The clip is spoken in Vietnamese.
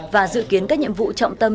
và dự kiến các nhiệm vụ trọng tâm